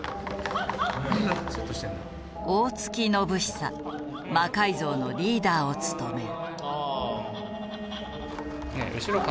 大槻将久魔改造のリーダーを務める。